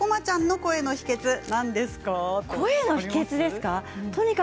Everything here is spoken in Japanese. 声の秘けつですか？